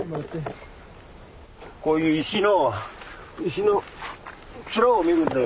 こういう石の石の面を見るんだよ